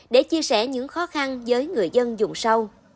để chia sẻ những khó khăn với người dân dùng sâu